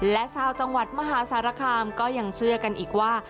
และชาวจังหวัดมหาสารคามก็ยังเชื่อกันอีกว่า